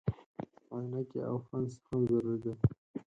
عینکې او پنس هم ضروري دي.